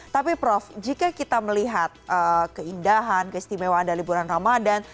tapi prof jika kita melihat keindahan keistimewaan dari bulan ramadan